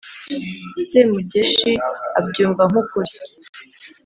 semugeshi abyumva nk' ukuri,